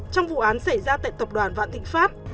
trong vụ án xảy ra tại tập đoàn vạn thịnh pháp